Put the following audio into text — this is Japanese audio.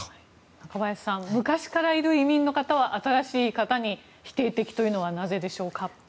中林さん、昔からいる移民の方は新しい人に否定的というのはなぜでしょうか。